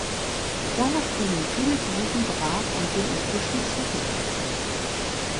Danach fielen viele Wiesen brach und sind mit Büschen zugewachsen.